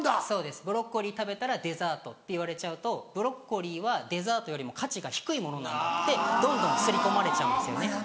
そうです「ブロッコリー食べたらデザート」って言われちゃうとブロッコリーはデザートよりも価値が低いものなんだってどんどん刷り込まれちゃうんですよね。